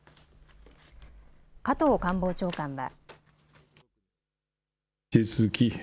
加藤官房長官は。